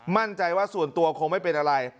มั่นใจว่าส่วนตัวคงไม่เป็นอะไร